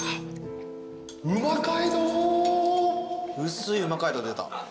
薄い「うま街道」出た。